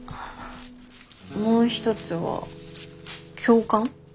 もう一つは教官。